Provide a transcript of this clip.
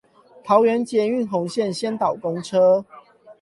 桃園捷運紅線先導公車